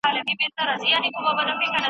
ايا اقتصاد بايد له ټولنپوهنې سره يوځای وي؟